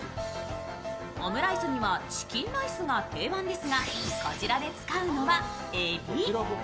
オムライスにはチキンライスが定番ですが、こちらで使うのはえび。